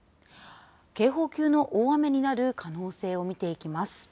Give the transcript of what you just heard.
警報級の大雨になる可能性を見ていきます。